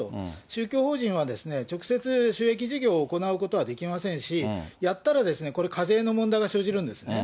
宗教法人は直接、収益事業を行うことはできませんし、やったら、これ、課税の問題が生じるんですね。